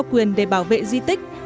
trao quyền để bảo vệ di tích